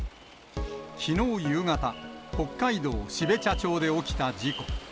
きのう夕方、北海道標茶町で起きた事故。